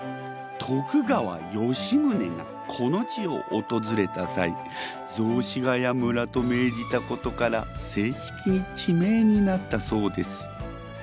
徳川吉宗がこの地をおとずれたさい雑司ヶ谷村と命じたことから正式に地名になったそうです。